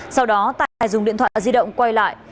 sau đó tài dùng điện thoại di động quay lại